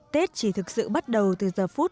tết chỉ thực sự bắt đầu từ giờ phút